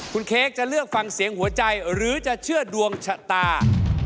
คุณเค้กจะเลือกฟังเสียงหัวใจหรือจะเชื่อดวงชะตา